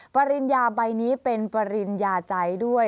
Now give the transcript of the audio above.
ปริญญาใบนี้เป็นปริญญาใจด้วย